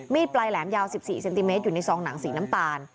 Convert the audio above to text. ปลายแหลมยาว๑๔เซนติเมตรอยู่ในซองหนังสีน้ำตาล